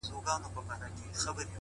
گرانه شاعره لږ څه يخ دى كنه،